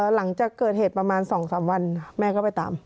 หลังจากเกิดเหตุประมาณ๒๓วันแม่ก็ไปตาม